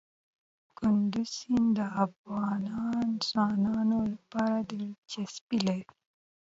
کندز سیند د افغان ځوانانو لپاره دلچسپي لري.